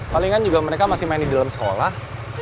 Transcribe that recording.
palingan juga mereka masih main di dalam sekolah